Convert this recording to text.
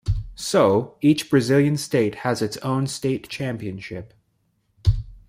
So, each Brazilian state has its own state championship.